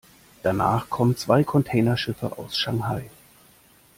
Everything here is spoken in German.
Danach kommen zwei Containerschiffe aus Shanghai.